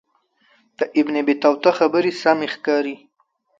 د ابن بطوطه خبرې سمې ښکاري.